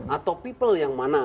atau people yang mana